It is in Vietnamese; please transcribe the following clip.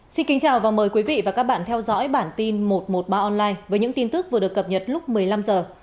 xin kính chào và mời quý vị và các bạn theo dõi bản tin một trăm một mươi ba online với những tin tức vừa được cập nhật lúc một mươi năm h